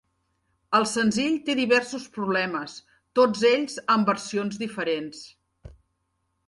El senzill té diversos problemes, tots ells amb versions diferents.